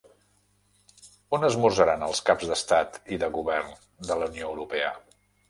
On esmorzaran els caps d'estat i de govern de la Unió Europea?